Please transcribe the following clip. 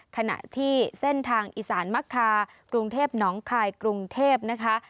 ขณะที่เส้นทางอีสานมะคากรุงเทพหนองคายกรุงเทพนะคะ